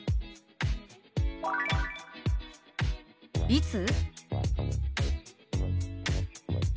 「いつ？」。